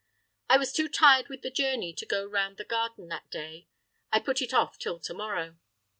I was too tired with the journey to go round the garden that day; I put it off till to morrow.